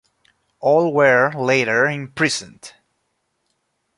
All were later imprisoned.